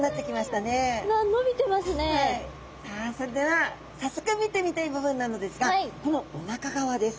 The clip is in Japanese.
さあそれでは早速見てみたい部分なのですがこのおなか側です。